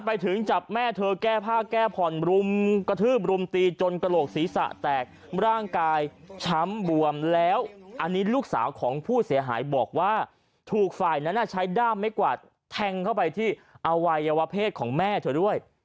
ไปถึงจับแม่เธอแก้ผ้าแก้ผ่อนรุมกระทืบรุมตีจนกระโหลกศีรษะแตกร่างกายช้ำบวมแล้วอันนี้ลูกสาวของผู้เสียหายบอกว่าถูกฝ่ายนั้นใช้ด้ามไม่กวาดแทงเข้าไปที่อวัยวะเพศของแม่เธอด้วย